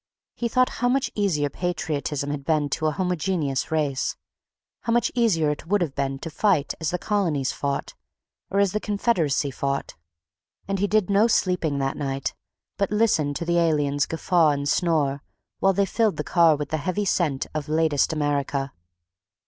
He thought how much easier patriotism had been to a homogeneous race, how much easier it would have been to fight as the Colonies fought, or as the Confederacy fought. And he did no sleeping that night, but listened to the aliens guffaw and snore while they filled the car with the heavy scent of latest America.